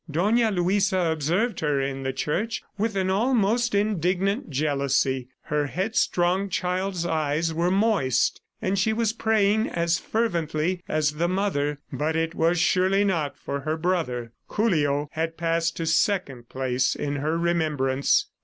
Dona Luisa observed her in the church with an almost indignant jealousy. Her headstrong child's eyes were moist, and she was praying as fervently as the mother ... but it was surely not for her brother. Julio had passed to second place in her remembrance.